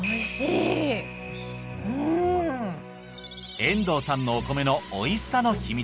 遠藤さんのお米のおいしさの秘密